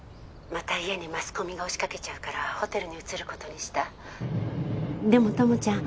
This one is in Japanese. ☎また家にマスコミが押しかけちゃうから☎ホテルに移ることにしたでも友ちゃん